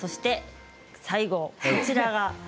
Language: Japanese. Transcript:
最後、こちらは？